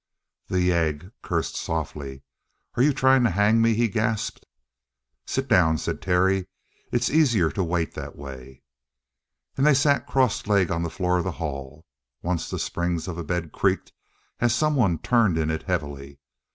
The yegg cursed softly. "Are you trying to hang me?" he gasped. "Sit down," said Terry. "It's easier to wait that way." And they sat cross legged on the floor of the hall. Once the springs of a bed creaked as someone turned in it heavily.